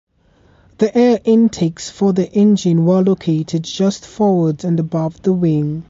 The air intakes for the engine were located just forwards and above the wing.